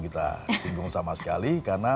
kita singgung sama sekali karena